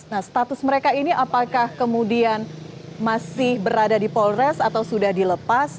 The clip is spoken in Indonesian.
nah status mereka ini apakah kemudian masih berada di polres atau sudah dilepas